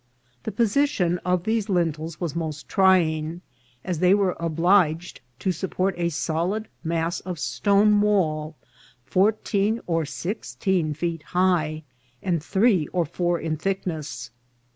The position of these lintels was most trying, as they were obliged to support a solid mass of stone wall fourteen or sixteen feet high, and three or four in thickness.